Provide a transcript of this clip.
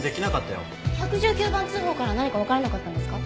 １１９番通報から何かわからなかったんですか？